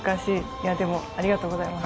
いやでもありがとうございます。